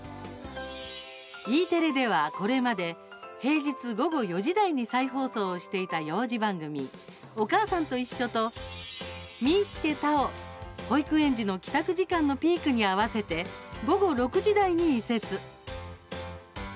Ｅテレではこれまで平日午後４時台に再放送をしていた幼児番組「おかあさんといっしょ」と「みいつけた！」を保育園児の帰宅時間のピークに合わせて午後６時台に移設。